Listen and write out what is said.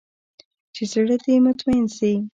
چې زړه دې مطمين سي.